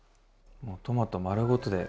もうトマト丸ごとで。